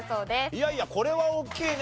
いやいやこれは大きいね。